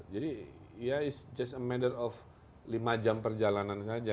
jadi ya it s just a matter of lima jam perjalanan saja